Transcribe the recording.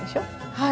はい。